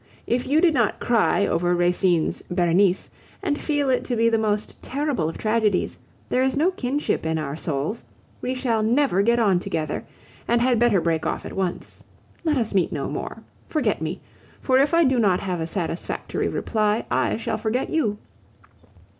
If you did not cry over Racine's Berenice, and feel it to be the most terrible of tragedies, there is no kinship in our souls; we shall never get on together, and had better break off at once. Let us meet no more. Forget me; for if I do not have a satisfactory reply, I shall forget you.